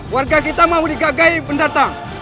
warga kita mau digagai pendatang